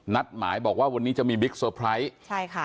นัดหมายบอกว่าวันนี้จะมีบิ๊กเซอร์ไพรส์ใช่ค่ะ